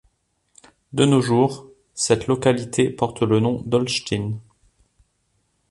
De nos jours, cette localité porte le nom d’Olsztyn.